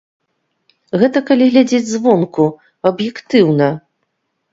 Гэта калі глядзець звонку, аб'ектыўна.